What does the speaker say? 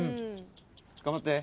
頑張って。